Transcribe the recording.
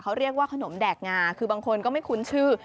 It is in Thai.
เขาเรียกว่าขนมแดกงาคือบางคนก็ไม่คุ้นชื่อ